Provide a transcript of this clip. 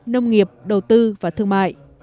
nông nghiệp đầu tư và thương mại